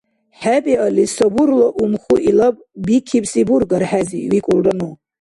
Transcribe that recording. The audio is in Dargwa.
— ХӀебиалли, сабурла умхьу илаб бикибси бургар хӀези? — викӀулра ну.